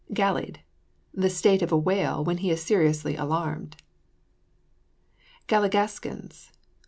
GALLIED. The state of a whale when he is seriously alarmed. GALLIGASKINS.